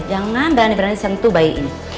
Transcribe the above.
jangan berani berani sentuh bayi ini